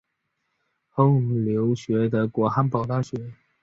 后留学德国汉堡大学。